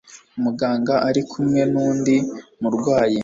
Muganga ari kumwe nundi murwayi.